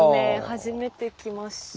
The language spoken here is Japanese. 初めて来ました。